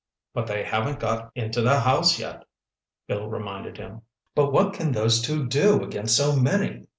"But they haven't got into the house yet," Bill reminded him. "But what can those two do against so many!